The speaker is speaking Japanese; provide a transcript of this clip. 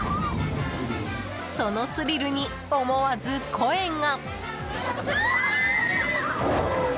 そのスリルに、思わず声が。